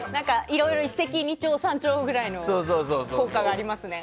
いろいろ一石二鳥、三鳥ぐらいの効果がありますね。